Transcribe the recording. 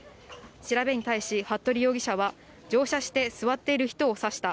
調べに対し、服部容疑者は乗車して、座っている人を刺した。